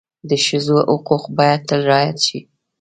د ښځو حقوق باید تل رعایت شي.